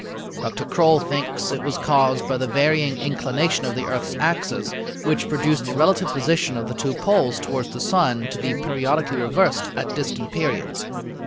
Dr. Croll thinks it was caused by the varying inclination of the earth's axis, which produced the relative position of the two poles toward the sun to be periodically reversed at distant periods.